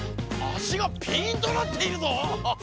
足がピンとなっているぞ！